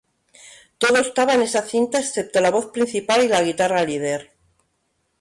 Todo estaba en esa cinta excepto la voz principal y la guitarra líder.